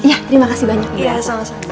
iya terima kasih banyak mbak